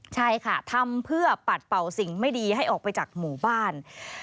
ใช่ค่ะทำเพื่อปัดเป่าสิ่งไม่ดีให้ออกไปจากหมู่บ้าน